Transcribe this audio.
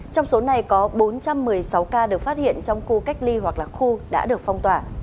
trong số này có bốn trăm một mươi sáu ca được phát hiện trong khu cách ly hoặc là khu đã được phong tỏa